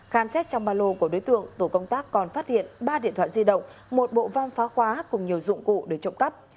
khám xét trong ba lô của đối tượng tổ công tác còn phát hiện ba điện thoại di động một bộ vam phá khóa cùng nhiều dụng cụ để trộm cắp